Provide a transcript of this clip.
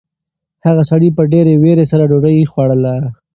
هغه سړي په ډېرې وېرې سره ډوډۍ خوړله.